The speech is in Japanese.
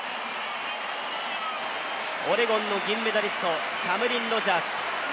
オレゴンの銀メダリスト、キャムリン・ロジャーズ。